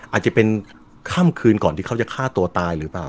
อาจจะเป็นค่ำคืนก่อนที่เขาจะฆ่าตัวตายหรือเปล่า